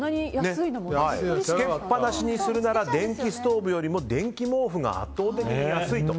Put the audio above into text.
つけっぱなしにするなら電気ストーブより電気毛布が圧倒的に安いと。